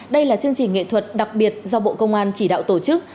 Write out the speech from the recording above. đây là chương trình nghệ thuật đặc biệt do bộ công an chỉ đạo tổ chức